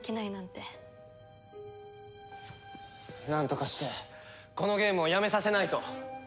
なんとかしてこのゲームをやめさせないと！